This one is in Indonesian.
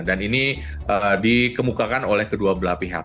dan ini dikemukakan oleh kedua belah pihak